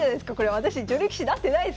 私女流棋士になってないですからね